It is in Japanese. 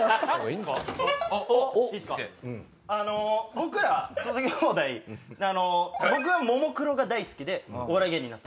僕ら土佐兄弟僕はももクロが大好きでお笑い芸人になった。